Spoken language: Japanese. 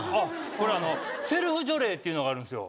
これセルフ除霊っていうのがあるんですよ